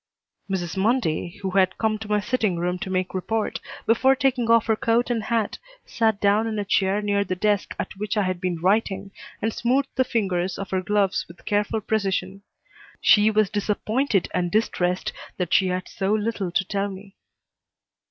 Mrs. Mundy, who had come to my sitting room to make report, before taking off her coat and hat, sat down in a chair near the desk at which I had been writing, and smoothed the fingers of her gloves with careful precision. She was disappointed and distressed that she had so little to tell me.